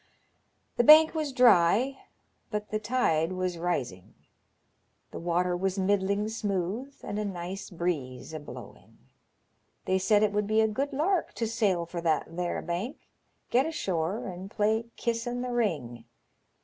The bank was dry, but the tide was rising ; the water was middling smooth, and a nice breeze a blowing. They said it would be a good lark to sail for that there bank, get ashore, and play kiss in the ring.